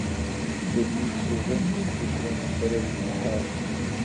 Кӏэтӏий псыгъуэм метритӏрэ ныкъуэрэ и кӏыхьагъщ.